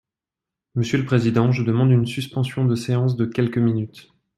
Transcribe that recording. Monsieur le président, je demande une suspension de séance de quelques minutes.